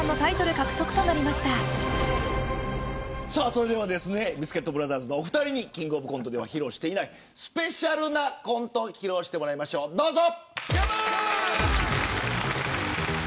それではですねビスケットブラザーズのお二人にキングオブコントでは披露していないスペシャルなコントを披露してもらいます、どうぞ。